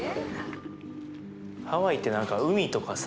ハワイって何か海とかさ